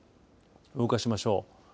動かしましょう。